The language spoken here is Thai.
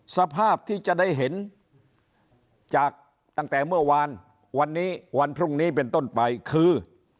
สภาพที่จะได้เห็นจากตั้งแต่เมื่อวานวันนี้วันพรุ่งนี้เป็นต้นไปคือ